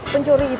pencuri itu kalau